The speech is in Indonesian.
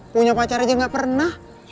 punya pacar aja gak pernah